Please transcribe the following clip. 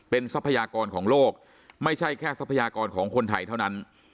ทรัพยากรของโลกไม่ใช่แค่ทรัพยากรของคนไทยเท่านั้น